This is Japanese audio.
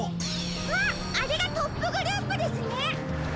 あっあれがトップグループですね！